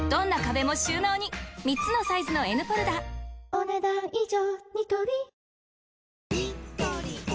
お、ねだん以上。